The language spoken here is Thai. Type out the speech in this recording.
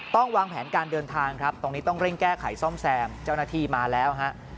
ต้องวางแผนการเดินทางครับตรงนี้ต้องเร่งแก้ไขซ่อมแซมเจ้าหน้าที่มาแล้วฮะ